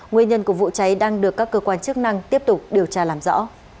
nguyên nhân của vụ cháy đang được các cơ quan chức năng tiếp tục điều tra làm rõ